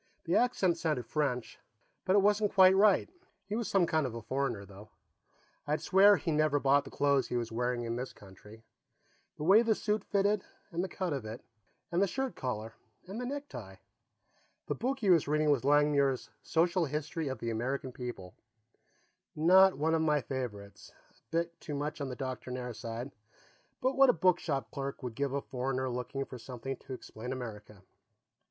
The accent sounded French, but it wasn't quite right. He was some kind of a foreigner, though; I'd swear that he never bought the clothes he was wearing in this country. The way the suit fitted, and the cut of it, and the shirt collar, and the necktie. The book he was reading was Langmuir's Social History of the American People not one of my favorites, a bit too much on the doctrinaire side, but what a bookshop clerk would give a foreigner looking for something to explain America.